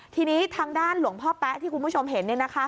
ทีนี้ทางด้านหลวงพ่อแป๊ะที่คุณผู้ชมเห็น